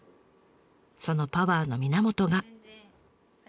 そのパワーの源が。